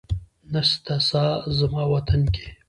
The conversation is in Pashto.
نسته ساه زما وطن کي